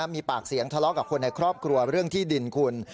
มีปากเสียงทะเลาะกับคนในครอบครัวเรื่องที่ดินคุณ